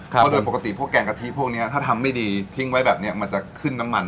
เพราะโดยปกติพวกแกงกะทิพวกนี้ถ้าทำไม่ดีทิ้งไว้แบบนี้มันจะขึ้นน้ำมัน